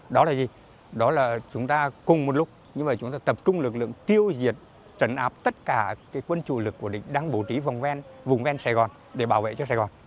đó là gì đó là chúng ta cùng một lúc chúng ta tập trung lực lượng tiêu diệt trận áp tất cả quân chủ lực của địch đang bổ trí vùng ven sài gòn để bảo vệ cho sài gòn